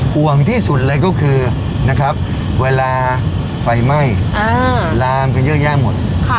ห่วงที่สุดเลยก็คือนะครับเวลาไฟไหม้ลามกันเยอะแยะหมด